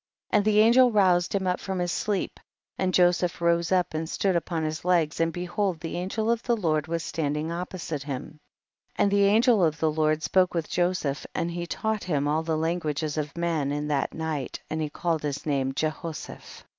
14. And the angel roused him from his sleep, and Joseph rose up and stood upon his legs, and behold the angel of the Lord was standing op posite to him ; and the angel of the Lord spoke with Joseph, and he taught him all the languages of man in ihat night, and he called his name Jehoseph.